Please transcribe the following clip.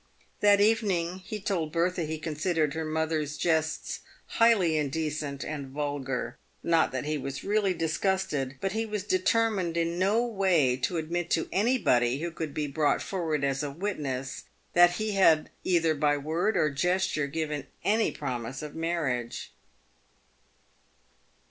That evening he told Bertha he considered her mother's jests " highly indecent and vulgar." Not that he was really disgusted, but he was determined in no way to admit to any body, who could be brought forward as a witness, that he had either by word or gesture given any promise of marriage.